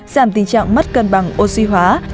giảm tình trạng mất cân bằng oxy hóa